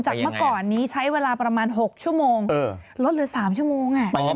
เมื่อก่อนนี้ใช้เวลาประมาณ๖ชั่วโมงลดเหลือ๓ชั่วโมง